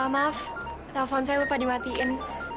maaf telpon saya lupa dimatiin